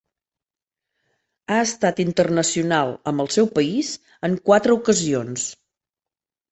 Ha estat internacional amb el seu país en quatre ocasions.